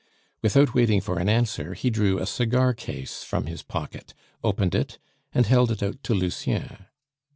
Without waiting for an answer, he drew a cigar case from his pocket, opened it, and held it out to Lucien.